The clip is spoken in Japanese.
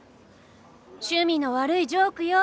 趣味の悪いジョークよ。